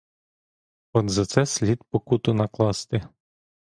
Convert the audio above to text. От за це слід покуту накласти.